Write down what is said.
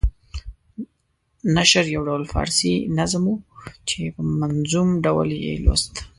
نشرح یو ډول فارسي نظم وو چې په منظوم ډول یې لوست.